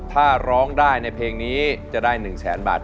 ถ้าร้องได้ในเพลงนี้จะได้๑แสนบาท